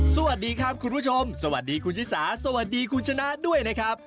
สวัสดีครับคุณผู้ชมสวัสดีคุณชิสาสวัสดีคุณชนะด้วยนะครับ